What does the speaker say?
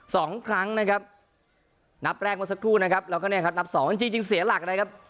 สองครั้งนะครับนับแรกเมื่อสักครู่นะครับแล้วก็เนี่ยครับนับสองจริงจริงเสียหลักนะครับ